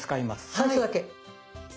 最初だけ。